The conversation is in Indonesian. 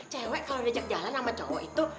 cewek kalo dijak jalan sama cowok itu